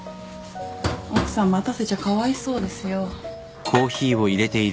奥さん待たせちゃかわいそうですよ。